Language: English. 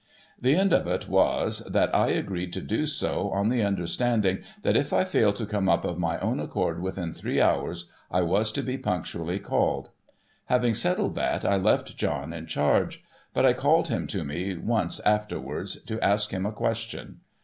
The end of it was, that I agreed to do so, on the understanding that if I failed to come up of my own accord within three hours, I was to be punctually called. Having settled that, I left John in charge. But I called him to me once afterwards, to ask him a question.